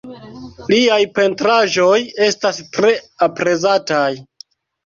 Liaj pentraĵoj estas tre aprezataj.